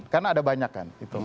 karena ada banyak kan